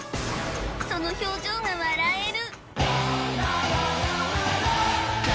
その表情が笑える